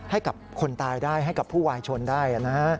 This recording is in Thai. ให้กับคนตายได้ให้กับผู้วายชนได้